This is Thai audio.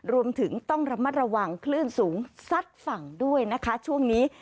รวมถึงต้องระมัดระวังคลื่นสูงซัดฝั่งด้วยนะคะช่วงนี้